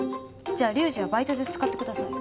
じゃあ龍二はバイトで使ってください。